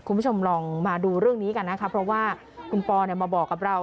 คุณผู้ชมลองมาดูเรื่องนี้กันนะคะเพราะว่าคุณปอมาบอกกับเรา